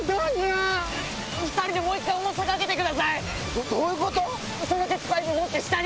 どどういうこと